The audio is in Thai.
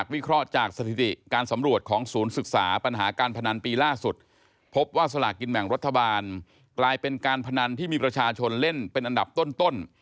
ว่าสลากกินแห่งรัฐบาลกลายเป็นการพนันที่มีประชาชนเล่นเป็นอันดับต้น